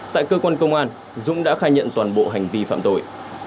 tại cơ quan công an dũng đã khai nhận toàn bộ hành vi phạm tội